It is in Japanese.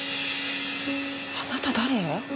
あなた誰？